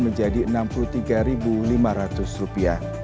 naik dari rp enam puluh tiga lima ratus